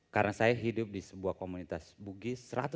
karena saya hidup di sebuah komunitas bugis